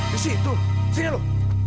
di situ sini lu